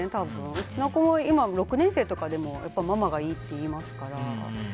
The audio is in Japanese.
うちの子も今６年生とかでもママがいいって言いますから。